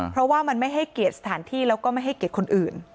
เพราะว่ามันไม่ให้เกียรติสถานที่แล้วก็ไม่ให้เกียรติคนอื่น